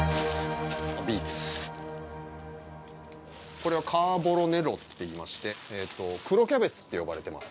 これはカーボロネロっていいまして黒キャベツって呼ばれてます